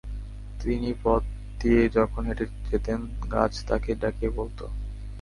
তিনি পথ দিয়ে যখন হেঁটে যেতেন, গাছ তাঁকে ডেকে বলত।